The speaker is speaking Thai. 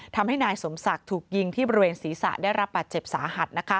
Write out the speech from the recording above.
ทำให้นายสมศักดิ์ถูกยิงที่บริเวณศีรษะได้รับบาดเจ็บสาหัส